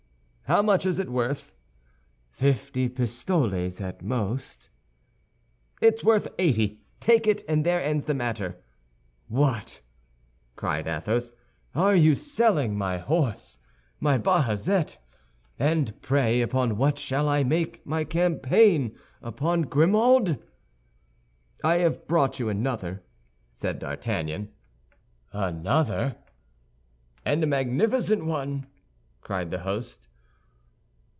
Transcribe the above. "How much is it worth?" "Fifty pistoles at most." "It's worth eighty. Take it, and there ends the matter." "What," cried Athos, "are you selling my horse—my Bajazet? And pray upon what shall I make my campaign; upon Grimaud?" "I have brought you another," said D'Artagnan. "Another?" "And a magnificent one!" cried the host.